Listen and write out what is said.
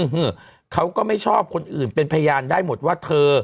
เขาก็ไม่ชอบคนอื่นเป็นพยานได้หมดว่าเธอ